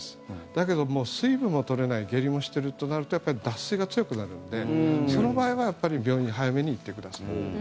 だけども、水分も取れない下痢もしてるとなるとやっぱり脱水が強くなるんでその場合は病院に早めに行ってください。